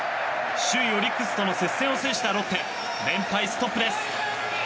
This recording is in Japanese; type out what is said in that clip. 首位オリックスとの接戦を制したロッテ連敗ストップです。